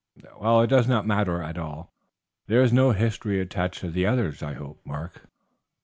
"Well, it does not matter at all. There is no history attached to the others, I hope, Mark?"